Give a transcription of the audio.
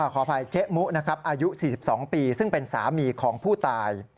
ขออภัยเจ๊มุนะครับอายุ๔๒ปีซึ่งเป็นสามีของผู้ตาย